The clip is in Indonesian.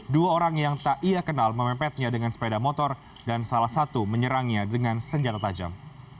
dua orang yang tak ia kenal memepetnya dengan sepeda motor dan salah satu menyerangnya dengan senjata tajam